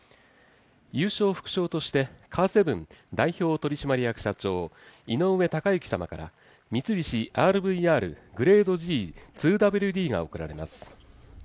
優勝副賞として、カーセブン代表取締役社長井上貴之様から、三菱ＲＶＲグレードＧ２ＷＤが贈られます。